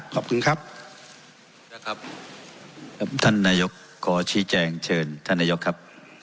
ขอบคุณครับนะครับท่านนายกขอชี้แจงเชิญท่านนายกครับ